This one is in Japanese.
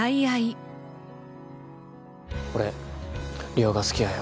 俺梨央が好きやよ